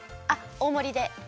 あっ大もりで。